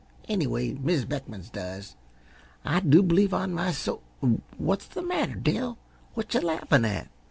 Anyway, Mis' Beckman's does. I do b'lieve on my soul what's the matter, Dell? What yuh laughin' at?"